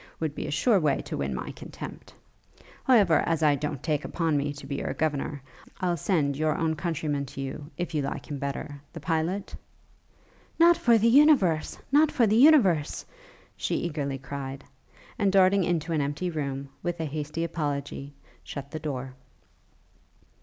would be a sure way to win my contempt. However, as I don't take upon me to be your governor, I'll send your own countryman to you, if you like him better, the pilot?' 'Not for the universe! Not for the universe!' she eagerly cried, and, darting into an empty room, with a hasty apology, shut the door.